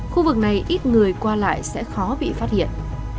khu vực này ít người qua lại sẽ khó bị phát hiện